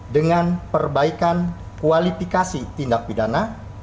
dengan perbaikan kualifikasi tindak pidana